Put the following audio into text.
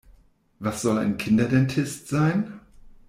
Was soll ein Kinderdentist sein?